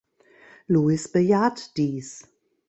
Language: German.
Louis bejaht dies.